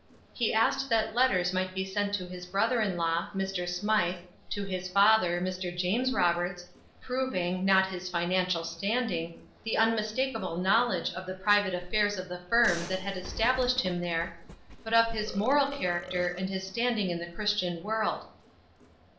He asked that letters might be sent to his brother in law, Mr. Smythe, to his father, Mr. James Roberts, proving, not his financial standing, the unmistakable knowledge of the private affairs of the firm that had established him there, but of his moral character, and his standing in the Christian world.